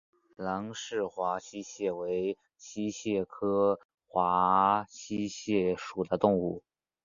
兰氏华溪蟹为溪蟹科华溪蟹属的动物。